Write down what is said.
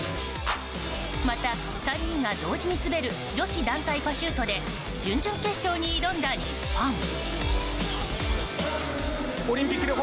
また３人が同時に滑る女子団体パシュートで準々決勝に挑んだ日本。